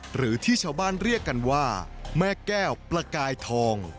หรือที่ชาวบ้านเรียกกันว่าแม่แก้วประกายทอง